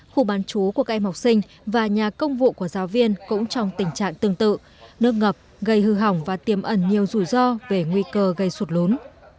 khu bán chú của các em học sinh và nhà công vụ của giáo viên cũng trong tình trạng tương tự nước ngập gây hư hỏng và tiêm ẩn nhiều rủi ro về nguy cơ gây sụt lốn